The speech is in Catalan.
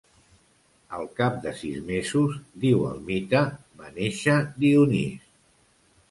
Al cap de sis mesos, diu el mite, va néixer Dionís.